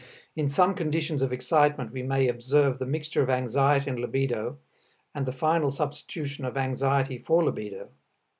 In some conditions of excitement we may observe the mixture of anxiety and libido and the final substitution of anxiety for libido.